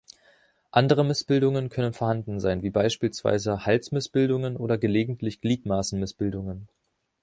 Andere Missbildungen können vorhanden sein, wie beispielsweise Halsmissbildungen oder gelegentlich Gliedmaßenmissbildungen.